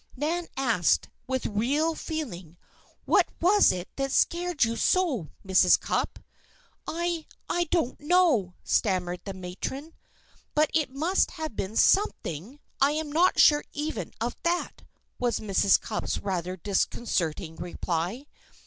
Nan asked, with real feeling: "What was it scared you so, Mrs. Cupp?" "I I don't know," stammered the matron. "But it must have been something?" "I'm not sure even of that," was Mrs. Cupp's rather disconcerting reply.